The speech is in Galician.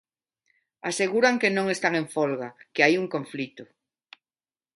Aseguran que non están en folga, que hai un conflito.